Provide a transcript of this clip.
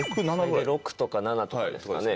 大体６とか７とかですかね。